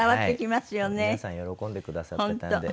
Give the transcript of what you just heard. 皆さん喜んでくださってたので。